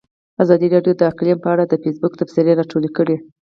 ازادي راډیو د اقلیم په اړه د فیسبوک تبصرې راټولې کړي.